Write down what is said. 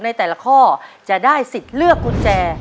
ในแต่ละข้อจะได้สิทธิ์เลือกกุญแจ